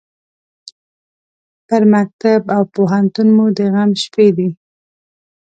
پر مکتب او پوهنتون مو د غم شپې دي